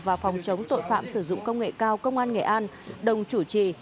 và phòng chống tội phạm sử dụng công nghệ cao công an nghệ an đồng chủ trì